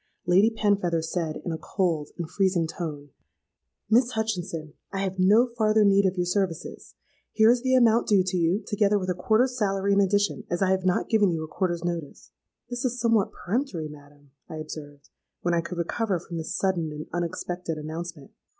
Lady Penfeather said, in a cold and freezing tone, 'Miss Hutchinson, I have no farther need of your services. Here is the amount due to you, together with a quarter's salary in addition, as I have not given you a quarter's notice.'—'This is somewhat peremptory, madam,' I observed, when I could recover from this sudden and unexpected announcement.